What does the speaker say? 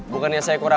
bukannya saya kurang